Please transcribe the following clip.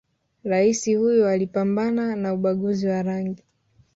raisi huyo aliipambana na ubaguzi wa rangi